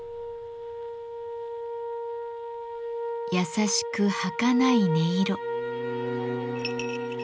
優しくはかない音色。